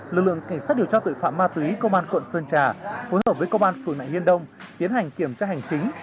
lực lượng cảnh sát điều tra tội phạm ma túy công an quận sơn trà phối hợp với công an phường nại hiên đông tiến hành kiểm tra hành chính